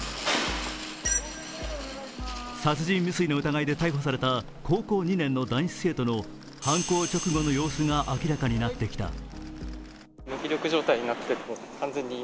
殺人未遂の疑いで逮捕された高校２年の男子生徒の犯行直後の様子が明らかになってきた。